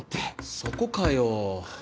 そこかよ！